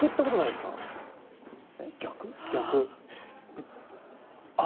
逆。